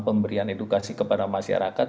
pemberian edukasi kepada masyarakat